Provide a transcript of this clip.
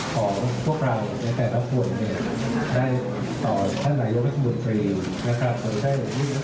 ของพวกเราในแต่ละฝุ่นได้ต่อท่านรายละยกทธิบทธิบทธิบทธิบร้อยแล้ว